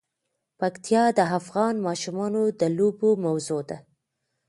پکتیا د افغان ماشومانو د لوبو موضوع ده.